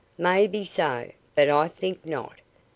"May be so, but I think not.